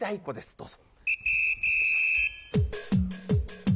どうぞ。